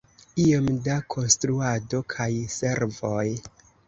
Iom da konstruado kaj servoj.